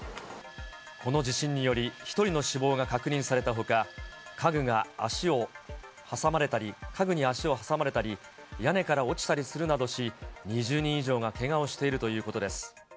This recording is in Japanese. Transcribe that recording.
この地震により、１人の死亡が確認されたほか、家具に足を挟まれたり、屋根から落ちたりするなどし、２０人以上がけがをしているということです。